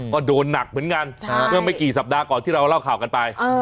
ก็โดนหนักเหมือนกันเมื่อไม่กี่สัปดาห์ก่อนที่เราเล่าข่าวกันไป